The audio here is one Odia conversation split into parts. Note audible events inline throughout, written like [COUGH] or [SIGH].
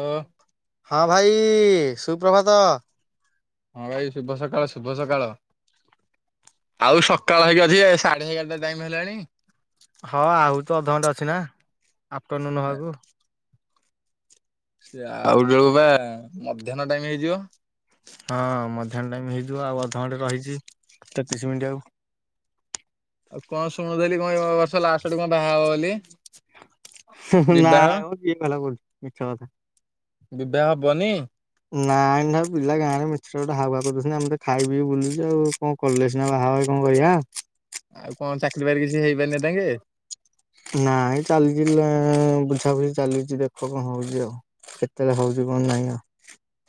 ଓ ହଁ ଭାଇ ସୁପ୍ରଭାତ। ହଁ ଭାଇ ଶୁଭ ସକାଳ ଶୁଭ ସକାଳ। ଆଉ ସକାଳ ହେଇକି ଅଛି ସାଢେ ଏଗାରଟା ଟାଇମ ହେଲାଣି। ହଁ ଆଉ ତ ଅଧଘଣ୍ଟା ଅଛି ନା ଆଫଟରନୁନ ହବାକୁ। ଆଉ ଯୋଉ ବା ମଧ୍ୟନ୍ନ ଟାଇମ ହେଇଯିବ। ହଁ ମଧ୍ୟାହ୍ନ ଟାଇମ ହେଇଯିବ ଆଉ ଅଧଘଣ୍ଟେ ରହିଛି ତେତିଶ ମିନିଟ୍ ଆଉ। ଆଉ କଣ ଶୁଣୁଥିଲି କଣ ବର୍ଷ ଲାଷ୍ଟଟ ଆଡକୁ କଣ ବାହା ହବ ବୋଲି। ହ୍ନୁ ହ୍ନୁ ବିବାହ ନାଇମ କିଏ କହିଲା [INAUDIBLE] ମିଛା କଥା। ଏବେ ହବନି? ନାଇଁ ନା ପିଲା ଗାଁରେ ମିଛା ଗୋଟେ ହାୱ କରିଦଉଛନ୍ତି ଆମ ତ ଖାଇବି ବୁଲିବୁ ଆଉ କଣ କଲେ ସିନା ବାହା ହେବୁ। କଣ କରିଆ। ଆଉ କଣ ଚାକିର ବାକିରି କିଛି ହେଇପାରିନି ଇ ଯାକେ। ନାଇଁ ଚାଲିଛି ବୁଝାବୁଝି ଚାଲିଛି ଦେଖ କଣ ହଉଛି ଆଉ। କେତେବେଳେ ହଉଛି କଣ ନାଇଁ ଆଉ।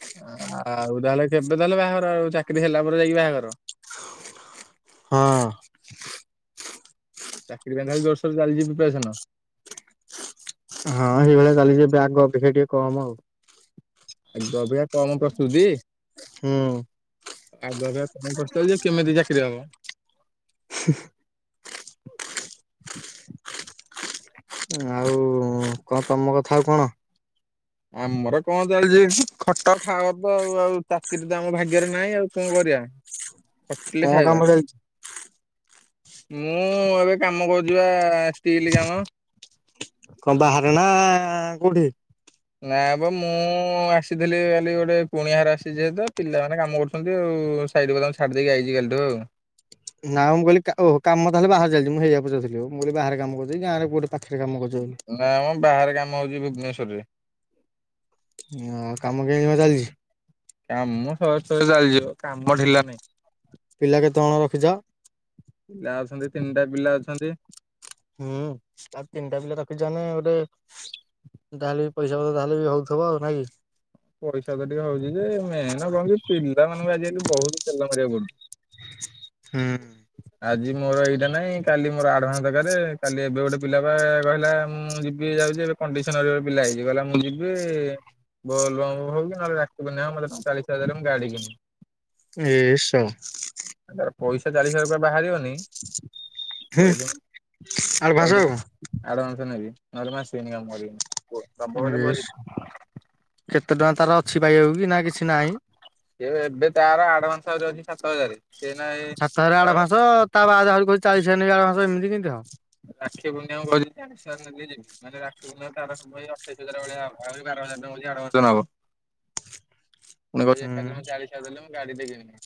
ଆଉ ତାହେଲେ କେବେ ତାହେଲେ ବାହାଘର ଆଉ ଚାକିରି ହେଲା ପରେ ଯାଇକି ବାହାଘର। ହଁ। ଚାକିରୀ ପାଇଁ ବର୍ଷରୁ ଚାଲିଛି ପ୍ରିପସନ। ହଁ ସେଇଭଳିଆ ଚାଲିଛି ଏବେ ଆଗ ଅପେକ୍ଷା ଟିକେ କମ ଆଉ। ଆଗ ଅପେକ୍ଷା କମ ପ୍ରସ୍ତୁତି? ହୁଁ। ଆଗ ଅପେକ୍ଷା କଣ କରୁଛ ଯେ କେମିତି ଚାକିରି ହବ। [UNINTELLIGIBLE] ଆଉ କଣ ତମ କଥା ଆଉ କଣ? ଆମର କଣ ଚାଲିଛି ଖଟ ଖାଅତ ଆଉ ଚାକିରି ତ ଆମ ଭାଗ୍ୟରେ ନାହିଁ ଆଉ କଣ କରିବା। ଖଟିଲେ କଣ ଖାଇବା କାମ ଚାଲିଛି? ମୁଁ ଏବେ କାମ କରୁଛି ବା ଷ୍ଟିଲ କାମ। କଣ ବାହାରେ ନା କୋଉଠି? ନା ବା ମୁଁ ଆସିଥିଲି କାଲି ଗୋଟେ କୁଣିଆଘର ଆସିଛି ଯେହେତୁ ପିଲାମାନେ କାମ କରୁଛନ୍ତି ଆଉ। ସାଇଡ ବାଲାଙ୍କୁ ଛାଡି ଦେଇକି ଆଇଛି କାଲିଠୁ ଆଉ। ନାଁ ମୁଁ କହିଲି ଓହୋ କାମ ତାହେଲେ ବାହାରେ ଚାଲିଛି ମୁଁ ହେଇଆକୁ ପଚାରୁଥିଲି ମୁ କହିଲି ବାହାରେ କାମ କରୁଛ କି ଗାଁରେ କୋଉଠି। ପାଖରେ କାମ କରୁଛ ବୋଲି। ନାାଇ ଆମ ବାହାରେ କାମ ହଉଛି ଭୁବନେଶ୍ୱରରେ। ହ କାମ କେମତି କଣ ଚାଲିଛି? କାମ ସହେ ସହେରେ ଚାଲିଛି ମ କାମ ଢିଲା ନାଇଁ। ପିଲା କେତେ କଣ ରଖିଛ? ପିଲା ଅଛନ୍ତି ତିନିଟା ପିଲା ଅଛନ୍ତି। ହୁଁ ଆଉ ତିନିଟା ପିଲା ରଖିଛନା ଗୋଟେ। ତାହେଲେ ବି ପଇସା ପତ୍ର ତାହେଲେ ବି ହଉଥିବ ଆଉ ନାଇ କି? ପଇସା ତ ଟିକେ ହଉଛି ଯେ ମେନ କହଣ ପିଲା ମାନ ବି ଆଜିକାଲି ବହୁତ ତେଲ ମାରକୁ ପଡୁଛି। ହୁଁ। ଆଜି ମୋର ଏଇଟା ନାଇଁ କାଲି ମୋର ଆଡଭାନ୍ସ ଦରକାରେ କାଲି ଏବେ ଗୋଟେ ପିଲାପା କହିଲା ମୁଁ ଯିବି କଣ୍ଡିସନରେ ପିଲା ହେଇଯିବ କହିଲା ମୁଁ ଯିବି ବୋଲବମ ହଉ କି ନହଲେ ଡାକିବନି ଆଉ ମତେ ଚାଳିଶ ହଜାରେ ମୁ ଗାଡ଼ି କିନିବି। ଏ ସଳା। ତାର ପଇସା ଚାଲିସି ହଜାରେ ବାହାରିବନି। ହୁଁ କହିଦେବୁ ଆଡଭାନ୍ସ ଆଉ କହିଦେବୁ ଆଡଭାନ୍ସ ନେବି। ନହଲେ ମୁ ଆସିବିନି କାମ କରିବିନି। କୁହ ଏ ଦବ ବୋଲେ କୁହ ଯିବି ସଳା କେତେ ଟଙ୍କା ତାର ଅଛି ପାଇବାକୁ କି ନା କିଛି ନାହିଁ। ଏବେ ତାର ଆଡଭାନ୍ସ ଆହୁରି ଅଛି ସାତ ହଜାର ସେି ନାଇଁ। ସାତ ହଜାର ଆଡ଼ଭାନ୍ସ ତା ବାଦ କଛି ଚାଳିଶ ହଜାର ନେବି ଆଡ଼ଭାନ୍ସ ଏମିତି କେମିତି ହବ। ରାକ୍ଷୀ ପୂଣ୍ଣ ମୁଁ କଛି ଚାଳିଶ ହଜାର ନଦକ ଯିବି ମାନେ ରାକ୍ଷୀ ପୂଣ୍ଣି ତାର ଅଠେଇଶ ହଜାର ଭଳିଆ ହବ ଏବେ କହୁଚି ଆର ବର୍ଷ ନବ ଷ୍ଟୁଚ୍ ମ ଏକା ଦିନରେ ଚାଳିଶ ଦେଲେ। ଗାଡି ଟେ କିଣିବି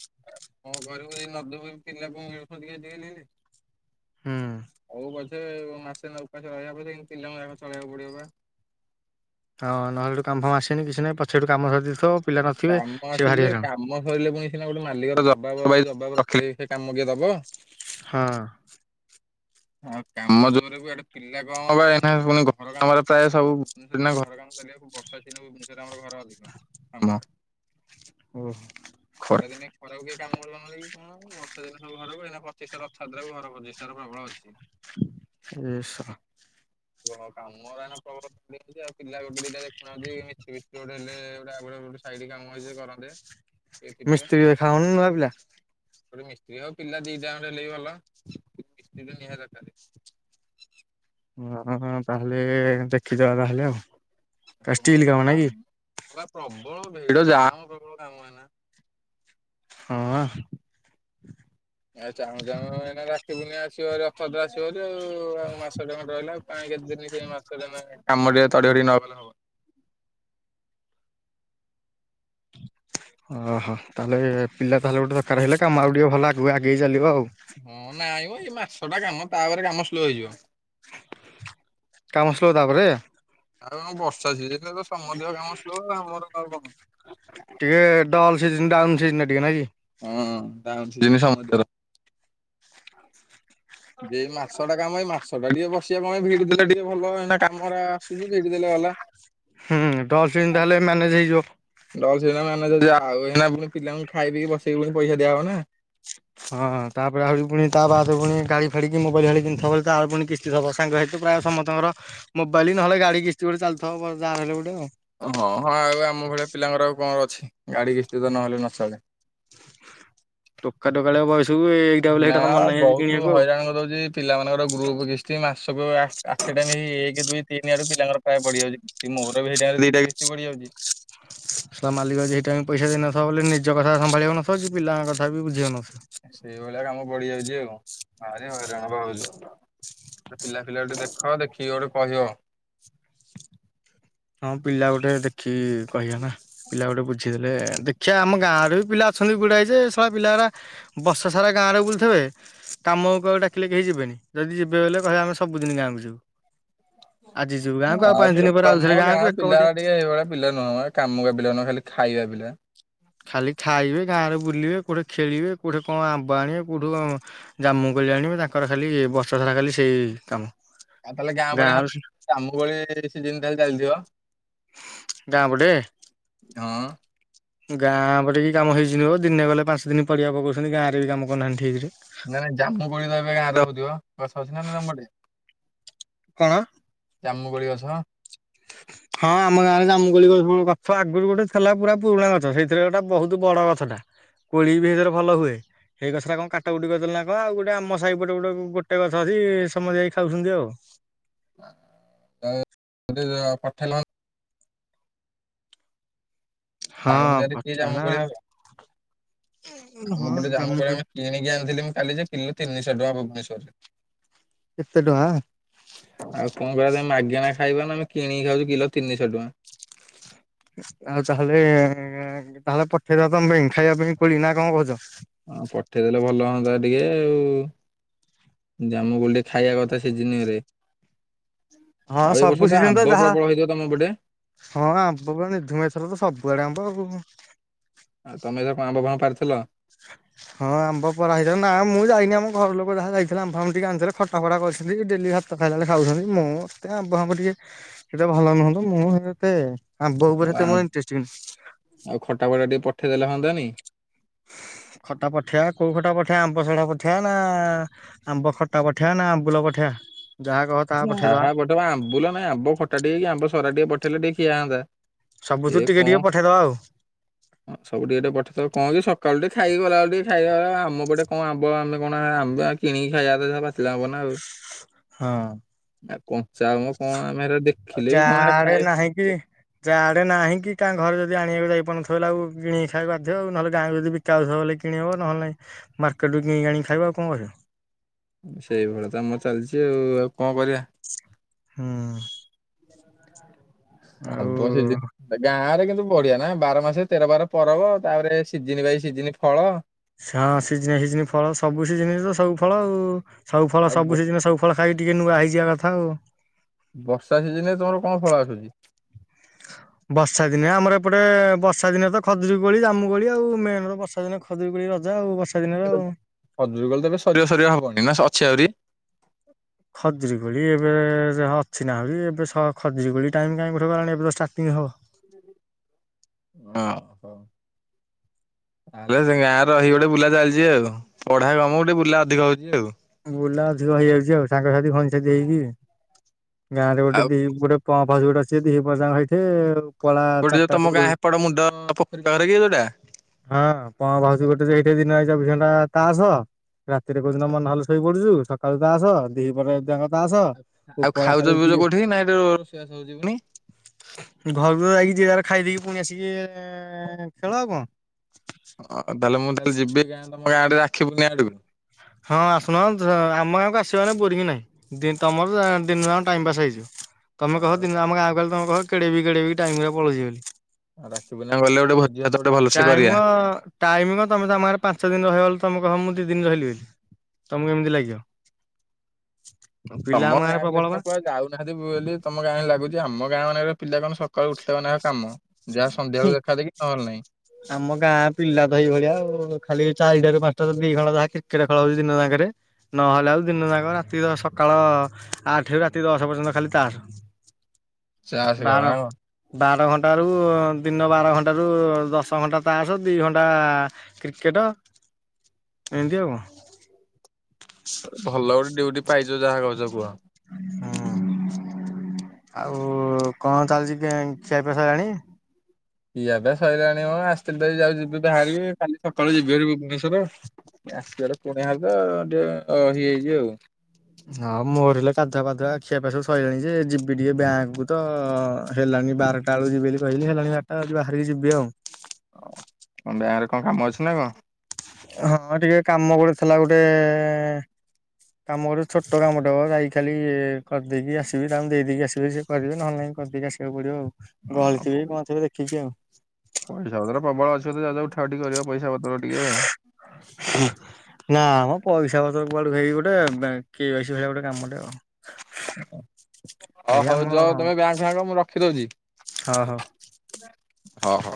କଣ କରିବ ଯେ ନଦୁର ପିଲାକୁ ମିଳୁଚନ୍ତି କିନ୍ତି ହେଲେ ହୁଁ। ହଉ ବଧେ ମାସେ ଉପାସ ରହିବା ପଛେ ପିଲାଙ୍କୁ ଆଗ ଚଳେଇବାକୁ ପଡିବ ପା ହଁ ନହେଲେ ଏଠୁ କାମ ଆସନ କିଛିହିଁ ପଛେଠୁ କାମ ସି କାମ ଆସୁଛି କାମ ସରିଲେ ପୁଣି ସିନା ଗୋଟେ ମାଲିକ ଦବାବ ଭାଇ ଜବାବ ରଖିଲି ସେ କାମ କିଏ ଦବ? ହଁ ଆଉ କାମ ଜୋରରେ ଆଡେ ପିଲା କଣ ବା ଏନା ପୁଣି ଘର କାମରେ ପ୍ରାୟ ସବୁ ଘର କାମ କୁ ବର୍ଷା ଦିନ ଭୁବେଶ୍ବରରେ ଆମର ଘର ଅଧିକ ଓୋ ଖ ଦିନ ଖରାକୁ କେହି କାମ କରୁିବନ କି କଣ ବର୍ଷାଦିନେ ସବୁଘର ଏଇନା ପ୍ରତିଷ୍ଠା ରଥଯାତ୍ରାକୁ ଘର ପ୍ରତିଷ୍ଠା ପ୍ରବଳ ଅଛି ଏସା ହ କାମରା ପ୍ରବଳ ଆଉ ପିଲା ଗୋଟେ ଦିଟା ଦେଖୁନାହାନ୍ତି ମିଛି ବିଛି ଗୋଟେ ହେଲେ ଗୋଟେ ଗୋ ସାଇଟ୍ କାମ ହେଇଛି କରନ୍ତେ କିଏ ଥିଲେ ମିସ୍ତ୍ରୀ ଖାଉନ ଭିଲ ମିସ୍ତ୍ରୀ ଆଉ ପିଲା ଦିଟା ଖଣ୍ଡେ ହେଲେ ଭଲ। ଏହା ଦର୍କାରେ ହଁ ହଁ ତାହେଲେ ଦେଖିଦବା ତାହଲେ ଆଉ ଷ୍ଟିଲ କାମ ନାଇକି ବା ପ୍ରବଳ ଭିଡ ଯାମ୍ ହ ପ୍ରବଳ କାମ ଏନା। ହଁ। ଏ ଚାହୁଁ ଚାହୁଁ ଏନା ରାକ୍ଷି ପୂର୍ଣ୍ଣିମା ଆସିବହେରି ରଥଯାତ୍ରା ଆସିବ ହେରି। ଉ ଆଉ ମାସ ଟେ ଖଣ୍ଡେ ରହିଲା କାଇଁ କେତେ ଦିନ ମାସ ଟେ କାମ ଟିକେ ତଡ଼ି ତଡ଼ି ନକଲେ ହବନି। ଓହୋ ତାହେଲେ ପିଲା ତାହେଲେ ଗୋଟେ ଦରକାର ହେଲେ କାମ ଆଉ ଟିକେ ଭଲ ଆଗକୁ ଆଗେଇ ଚାଲିବ ଆଉ। ହଁ ନାଇଁମ ଏଇ ମାସ ଟା କାମ ତାପରେ କାମ ସ୍ଲୋ ହେଇଯିବ। କାମ ସରିଲା ତାପରେ ଆଉ କଣ ବର୍ଷା ଅଛି ଯେ ତ ସମସ୍ତଙ୍କ କାମ ସ୍ଲୋ ଆଉ ମୋ କାମ କଣ? ଧିର ଟିକେ ନାଇଙ୍କି? ହଁ ଡାଉନ୍ ଥିବ ସମସ୍ତିଙ୍କର ହଉ। ଏଇ ମାସ ଟା କାମ ଏଇ ମାସ ଟା ଟିକେ ବସିବା ପାଇଁ ଭିଡି ଦେଲେ ଟିକେ ଭଲ ଏଇ କାମରା ଆସୁଛି ଭିଡି ଦେଲେ [UNINTELLIGIBLE] ହୁଁ ତହସିଲ୍ ତାହେଲେ ମ୍ୟାନେଜ ହେଇଯିବ। ଡଲ ସେଟା ମ୍ୟାନେଜ ହେଇଯିବ ଆଉ ପୁଣି ପିଲାଙ୍କୁ ଖାଇ ପିଇକି ବସେଇକି ପୁଣି ପଇସା ଦିଆ ହବ ନା। ହଁ ତାପରେ ଆହୁରି ପୁଣି ତାବା ପୁଣି ଗାଡି ଫାଡିକି ମୋବାଇଲ ଆଣିଥିବ ତାର ପୁଣି କିସ୍ତିଥବ ସାଙ୍ଗ ହେତୁ ପ୍ରାୟ ସମସ୍ତଙ୍କର ମୋବାଇଲ ନହଲେ ଗା ଗାଡି କିସ୍ତି ଗୋଟେ ଚାଲିଥବ ଯାହା ହେଲେ ଗୋଟେ ଆଉ। ହଁ ହଁ ଆଉ ଆମ ଭଳିଆ ପିଲାଙ୍କର ଆଉ କଣ ଅଛି। ଗାଡି କିସ୍ଛି ତ ନହେଲେ ନଚଳେ ଟୋକା ଟୋକାଳିଆ ବୟସ ନା ବହୁତ ହଇରାଣ କରିଦଉଛି ପିଲାମାନଙ୍କର ଗ୍ରୁପ କିଷ୍ ସ୍ତି ମାସକୁ ଆଠଟା ନେଇ ଏକ ଦୁଇ ତିନି ଆଡୁ ପିଲାଙ୍କର ପ୍ରାୟ ବଢିଯାଉଛି ସେ ମୋର ବି ସେଇଟା ଦିଟା କିସ୍ତି ପଡ଼ି ଯାଉଛି। ସେ ମାଲିକ ଯଦି ହେଇଟାଇମ୍ ପଇସା ଦେଇନଥିବ ବଲେ ନିଜ କଥା ସମ୍ଭାଳି ହୋଇନଥିବା ସେ ପିଲାଙ୍କ କଥା ବି ବୁଝି ସେଇଭଳିଆ କାମ ପଡି ଯାଉଛି ଆଉ ଭାରି ହଇରାଣ ପା ହୋଉଛୁ। ପିଲା ପିଲା ଗୋଟେ ଦେଖ ଦେଖିକି ଗୋଟେ କହିବ। ହଁ ପିଲା ଗୋଟେ ଦେଖିକି କହିବା ନା, ପିଲା ଗୋଟେ ବୁଝିଦେଲେ ଦେଖିବା ଆମ ଗାଁରେ ବି ପିଲା ଅଛନ୍ତି ଗୁଡ଼ାଏ ଯେ ଶଳା ପିଲାଗୁଡା ବର୍ଷ ସାରା ଗାଁରେ ବୁଲିୁଥିବେ କାମକୁ ଡାକିଲେ କେହି ଯିବେନି ଯଦି ଯିବେ ବଲେ କହିଲେ ଆମେ ସବୁଦିନ ଗାଁକୁ ଯିବୁ। ଆଜି ଯିବୁ ଗାଁକୁ ଆଉ ପାଞ୍ଚ ଦିନ ପରେ ଆଉ ଆମ ଗାଁରେ ପିଲା ଟିକେ ହେଇଭଳିଆ ପିଲା ନୁହେଁ ମ କାମ କା ପିଲା ନୁହଁ ଖାଲି ଖାଇବା ପିଲା। ଖାଲି ଖାଇବେ ଗାଁ ରେ ବୁଲିବେ କୋଉଠି ଖେଳିବେ କୋଉଠି କଣ ଆମ୍ବ ଆଣିବେ କୋଉଠି ଜାମୁ ଆଣିବେ ତାଙ୍କର ଖାଲି ବର୍ଷ ସାରା ଖାଲି ସେଇ କାମ। ଆଉ ତାହେଲେ ଗାଁ ଭଳିଆ ଆମ ଭଳି ସେ ସିଯିନ ହେଲେ ଚାଲିଥିବ। ଗାଁ ପଟେ? ହଁ ଗାଁ ପଟେ କି କାମ ହେଇଛି ନହିବ ଦିନେ ଗଲେ ପାଞ୍ଚ ଦିନ ପଡିଆ ପକଉଛନ୍ତି ଗାଁରେ ବି କାମ କରନାହାନ୍ତି ଠିକରେ। ନା ନା ଜାମୁକୋଳି ତ ଏବେ ଗାଁରେ ହଉଥିବ ଗଛ ଅଛି ନା ନାଇଁ ତମ ପଟେ? କଣ? ଜାମୁ କୋଳି ଗଛ? ତ [INAUDIBLE] ହଁ ଆମ ଗାଁରେ ଜାମୁ କୋଳି ଗଛ ଆଗରୁ ଗୋଟେ ଥିଲା। ପୁରା ପୁରୁଣା ଗଛ। ସେଇଥିରେ ଗୋଟା ବହୁତ ବଡ ଗଛଟା କୋଳି ବି ହେଇଥିରେ ଭଲ ହୁଏ। ହେଇ ଗଛଟା କଣ କାଟ କୁଟି କରିଦେଲେ ନା କଣ ଆଉ ଗୋଟେ ଆମ ସାହିପଟେ ଗୋଟେ ଗୋଟେ ଗଛ ଅଛି ସମସ୍ତେ ଯାଇ ଖାଉଛନ୍ତି ଆଉ। [UNINTELLIGIBLE] ପଠେଲନି ହଁ ପାଉନି ଯଦି କି ପଠା ଜାମୁ ନା କୋଳି ହବା। ଆମ ହଁ ପଟେ ଜାମୁ କୋଳି ଜାମୁକୋଳି ଆମେ କିଣିକି ଆଣିଥିଲି ମୁଁ କାଲି ଯେ କିଲୋ ତିନିଶହ ଟଙ୍କା ଭୁବନେଶ୍ୱର ରେ। ଏତେ ଟଙ୍କା ଆଉ କଣ କହିବ ତମେ ମାଗେଣା ଖାଇବ ନା ଆମେ କିଣିକି ଖାଉଛୁ କିଲୋ ତିନିଶହ ଟଙ୍କା। ଆଉ ତାହେଲେ ତାହେଲେ ପଠେଇଦଅ ତମେ ପାଇ ଖାଇବା ପାଇଁ କୋଳି ନା କଣ କହୁଛ? ହଁ ପଠେଇଦେଲେ ଭଲ ହୁଅନ୍ତା ଟିକେ ଆଉ ଜାମୁ କୋଳି ଟିକେ ଖାଇବା କଥା ଶିଯିନ ରେ। ହଁ ସବୁ ସିଜନ ତ ଯାହା ତମ ପଟେ? ହଁ ଆମ୍ବ କି ନିଧୁମେଶ୍ଵର ତ ସବୁଆଡେ ଆମ୍ବ ଆଉ। ଆଉ ତମେ ଯୋଉ [INAUDIBLE] କଣ ଆମ୍ବ ପାରିଥିଲ? ହ [INAUDIBLE] ହଁ ଆମ୍ବ ପରା ହେଇଥିଲା ନା ମୁଁ ଯାଇନି ଆମ ଘର ଲୋକ ଯାହା ଯାଇଥିଲା ଆମ୍ବ ଫାମ୍ୱ ଟିକେ ଆଣିଥିଲେ ଖଟା ଫଟା କରିଛନ୍ତି ଡେଲି। ସଦାବେଳେ ତାହେଲେ ଖାଉଛନ୍ତି ମୁଁ ଏତେ ଆମ୍ବ ଫାମ୍ବ ଟିକେ ସେତେ ଭଲ ନୁହନ୍ତୁ ମୁଁ ଏତେ ଆମ୍ବ ଆଉ ଉପରେ ମୋର ଆମ୍ ଅଟେ ଇଣ୍ଟ୍ରେଷ୍ଟ ବି ନାହିଁ। ବନି [INAUDIBLE] [INAUDIBLE] ଖଟା ପଠେଇଆ କୋଉ ଖଟା ପଠେଇଆ ଆମ୍ବ ସରା ପଠେଇବା ନା ଆମ୍ବ ଖଟା ପଠେଇବା ନା ଆମ୍ବୁଲ ପଠେଇବା। ଯାହା କହ ତାହା ପଠେଇଦବା ଯାହା ପଠେଇବ ଆମ୍ବୁ ଲ ନାଇଁ ଆମ୍ବ ଖଟା ଟିକେ କି ଆମ୍ବ ସରା ଟିକେ ପଠେଇଲେ ଟିକେ ଖିଆ ହନ୍ତା। ସବୁଥିରୁ ଏ ଟିକେ ଟିକେ ପଠେଇଦବା ଆଉ କଣ ସବୁ ଟିକେଟିଟେ ପଠେଇ କଣ କି ସକାଳୁ ଟିକେ ଖାଇକି ଗଲାବେଳେ ଟିକେ ଖାଇବା ଆମ ପଟେ କଣ ଆମ୍ବ ଆମେ କଣ ଆ କିଣିକି ଖାଇବା ତ ପାଚିଲା ହବ ନା ଆଉ। ହଁ ଆଉ କଞ୍ଚା ଆମ୍ବ କଣ ଆମେ ହେରା ଦେଖିଲେ ବି କଣ ହେରା ଯାଆଡେ ଖାଇବା ନାହିଁ କି ଯାଡେ ଏବେ ନାହିଁ କି କାଁ ଘରେ ଯଦି ଆଣିବାକୁ ଯାଇପାରୁନଥିବ ବଲେ ଆଉ କିଣିକି ଖାଇବା ବାଧ୍ୟ ଆ ନହେଲେ ଗାଁକୁ ଯଦି ବିକ ଆଉଥିବ ବଲେ କିଣି ହେବ। ନହେଲେ ନାଇଁ ମାର୍କେଟ ରୁ କି ଆଣି ଖାଇବା ଆଉ କଣ କରିବା। ସେଇଭଳିଆ ତମର ଚାଲିଛି ଆଉ ଆଉ କଣ କରିବା। ହଁ। ଆବ ସେ ଆଉ ଯାରେ [INAUDIBLE] ସବୁ ବଢିଆ ନା ବାର ମାସ ତେର ବାର ପରବ ତାପରେ ସିଜିିନ ବାଇ ସିଜିନି ଫଳ ହଁ ସିଜିନ ସିଜିନ ଫଳ ସବୁ ସିଜିନ ତ ସବୁ ଫଳ ଆଉ ସବୁ ଫଳ ଆଉ ବ ସବୁ ସିଯିନିରେ ସବୁ ଫଳ ଖାଇକି ଟିକେ ନୂଆ ହେଇଯିବା କଥା ଆଉ। ବର୍ଷା ସିଜନ ରେ ତମର କଣ ଫଳ ଆସୁଛି? ହ [INAUDIBLE] ବର୍ଷା ଦିନେ ଆମର ଏପଟେ ବର୍ଷା ଦିନେ ତ ଖଜୁରୀ କୋଳି ଜାମୁ କୋଳି ଆଉ ମେନ ର ବର୍ଷା ଦିନେ ଖଜୁରୀ କୋଳି ର ଯାଉ ହଜୁର କଲେ ତବେ ସରିବା ସରିିବା ହବନି ନା ଅଛି ଆହୁରି ଖଜୁରୀ କୋଳି ଏବେ ଅଛି ନାହା ଏବେ ଖଜୁରୀ କୋଳି ଟାଇମ କାହିଁଠ ଗଲାଣି ଏବୋର୍ଟି ଏହାହ ଓ ହୋ ଆଲେ ସେ ଗାଁରେ ରହି ଗୋଟେ ବୁଲା ଚାଲିଛି ଆଉ ପଢା କମ ଗୋଟେ ବୁଲା ଅଧିକ ହଉଛି ଆଉ ବୁଲା ଅଧିକ ହେଇଯାଉଛି ଆଉ ସାଙ୍ଗସାଥି ଖଣିସଥିୀ ହେଇକି। ଗାଁ ରେ ଗୋଟେ ଆଉ ଦି ଗୋଟେ ପ ଫସ ଗୋଟେ ଅ ଦି ପାଙ୍ଗ ହେଇଠେ ଗୋଟେ ଯୋଉ ତମ ଗାଁ ହେପଡ ମୁଣ୍ଡ ପୋଖରୀରେ କି ଯୋଉଟା ହଁ କଣ ଭାଉଛି ଗୋଟେ ଏଇଠି ଦିନ ହେଇ। ା ତାସ ରାତିରେ କୋଉ ଦିନ ମନେହଲ ଶୋଇ ପଡୁଛୁ ସକାଳୁ ତାସ ଦି ପରେ ଯ ତାସ ଆଉ ଉପଳା ଖାଲି ଖାଉଜ ପିଉଜ କୋଠି ନାଇଁସିବୁନି ଘରକୁ ଯାଇକି ଯିବାର ଖାଇଦେଇକି ପୁଣି ଆସିକି ଖେଳ ଆଉ କଣ? ଓ ତାହେଲେ ମୁଁ ତାହେଲେ ଯିବି ଗାଁ ତମ ଗାଁରେ ରାଖିବୁନି ଆଡକୁ ହଁ ଆସୁନ ଆମ ଗାଁକୁ ଆସିବ ବୋରିଙ୍ଗ ନାହିଁ ତମର ଦାଇମ ପାସ୍ ହେଇଯ ତମେ କହ ଆଉ ଦିନ ଆମ ଗାଁ କହଲି ତମ କହ କେଡେ ବି କେଡେବ ଟାଇମ ରେ ପଳେଇିବ ବୋଲି ରାକ୍ଷୀ ବିନା ଗଲେ ଗୋଟେ ଭ ଟାଇମ ଟାଇମଙ୍ଗ ତମେ ତମରେ ପାଞ୍ଚ ଦିନ ରହିବ ବୋଲି ତମେ କହ ମୁଁ ଦି ଦିନରେ ରହିଲି ବୋଲି। ତମକୁ କେମିତି ଲାଗିବ? ପିଲା ତମ ଆମ ଗାଁ ଗାଁରେ ପିଲା ପ୍ରବଳ ବା। ସିନା କୁଆ ଯାଉନାହାନ୍ତି ବ ବୋଲି ତମ ଗାଁ ହଁ ଲାଗୁଛି ଆମ ଗାଁ ମାନର ପିଲା କଣ ସ ସକାଳୁ ଉଠିଦବ ନା କାମ ଯହା ସଧ୍ୟାବେଳ ଦେଖାଦେକି ନହେଲେ ନାହିଁ ଆମ ଗାଁ ପିଲା ତ ଏଇଭଳିଆ ଆଉ ଖାଲି ଚାରିଟାରୁ ପାଞ୍ଚଟାାରୁ ଦି ଖଣ୍ଡ ଯହା କ୍ରିକେଟ ଖେଳ ହଉଛି ଦିନ ସାଙ୍ଗରେ ନହେଲେ ଆଉ ଦିନ ଯାକ ରାତି ସକାଳ ଆଠୁ ରାତି ଦଶ ପର୍ଯ୍ୟନ୍ତ ଖାଲି ତାସ। [UNINTELLIGIBLE] ଚାଷ ଖେଳ ବାର ନା କଣ? ବାର ଘଣ୍ଟାରୁ ଦିନ ବାର ଘଣ୍ଟାରୁ ଦଶ ଘଣ୍ଟା ତାସ ଦୁଇ ଘଣ୍ଟା କ୍ରିକେଟ ଏନ୍ତି ଆଉ। ଭଲ ଗୋଟେ ଡଉଟି ପାଇଛ ଯାହା କଛ କୁହ। ହଁ। ଆଉ କଣ ଚାଲିଛି ଖିଆପିଆ ସରିଲାଣି? ପିଏାବେ ସରିଲାଣି କଣ ଆସି ଯାଉ ଯିବି ବାହାରିବି କାଲି ସକାଳୁ ଯିବିି ଭୁବନେଶ୍ଵର ଆସିବାର ପଣି ହବ ଟିକେ ଅ ହେଇଏ ହେଇଛିିବ ଆଉ। ହଁ ମୋର ହେଲେ କାଧୁଆ ପାାଧୁଆ ଆଖିଆ ପି ସବୁ ସରିଲାଣି ଯେ ଯିବି ଟିକେ ବ୍ୟାଙ୍କକୁୁ ତ ହେଲାଣି ବାରଟା ବେଳକୁ ଯିବି ବୋଲି କହିଲି ହେଲାଣି ବାରଟା ବ ବାହାରିକି ଯିବି ଆଉ। ବ୍ୟାଙ୍କରେ କଣ କାମ ଅଛି ନା କଣ? ହଁ ଟିକେ କାମ ଗେ ଥିଲା ଗୋଟେ କାମ ଗୋଟ ଛୋଟ କାମଟା ହ ଯାଇ ଖାଲି କରିଦେଇକି ଆସିବି ତାଙ୍କୁ ଦେଇେଇକି ଆସିବେ ସେଏ କରିବେ ନହେଲେ ନାଇଁ କରିିକି ଆସିବାକୁ ପଡିବ ଆଉ ଗଳିଥିବେ କଣଥିବେ ଦେଖିକି ଆଉ। ପଇସା ପତ୍ର ପ୍ରବଳ ଅଛି ଯ ଯାଉଠା ଉଠି କରିବା ପଇସା ପତ୍ର ଟିକେ ଆଉ। ନା ଆମ ପଇସା ପତ୍ର କୁଆଳକୁ ହେଇି ଗୋଟେ କିଏସ ପଇ ଗୋଟେ କାମଟେ ଆଉ। ହ ଏଇ ହଉ ଆମ ଯ ତମେ ବ୍ୟାଙ୍କ ଫଙ୍କ ମୁଁ ରଖିଦଉଛି। ହଁ ହଉ। ହଁ ହଁ।